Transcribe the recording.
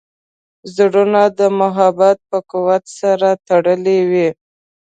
زړونه د محبت په قوت سره تړلي وي.